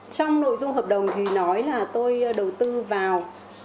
trong nội dung hợp đồng thì nói là tôi đầu tư vào